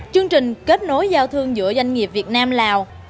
chương trình kết nối giao thương giữa doanh nghiệp việt nam lào